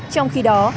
trong khi đó